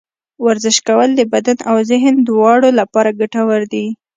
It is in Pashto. ورزش کول د بدن او ذهن دواړه لپاره ګټور دي.